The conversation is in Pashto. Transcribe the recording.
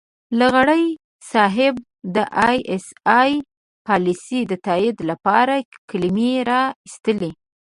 لغاري صاحب د اى ايس اى پالیسۍ د تائید لپاره کلمې را اېستلې.